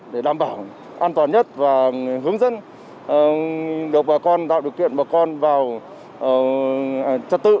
để đảm bảo an toàn nhất và hướng dẫn được bà con tạo điều kiện bà con vào trật tự